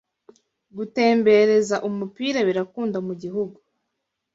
gutembereza umupira birakunda mu gihugu